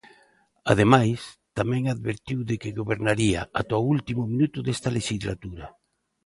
Ademais, tamén advertiu de que gobernaría "ata o último minuto desta lexislatura".